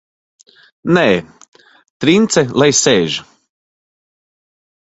Nē, Trince lai sēž!